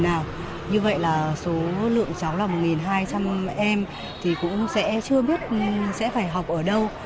như vậy là số lượng cháu là một hai trăm linh em thì cũng sẽ chưa biết sẽ phải học ở đâu